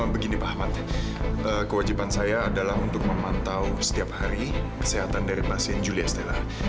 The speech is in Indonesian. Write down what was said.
begini pak ahmad kewajiban saya adalah untuk memantau setiap hari kesehatan dari pasien julius tella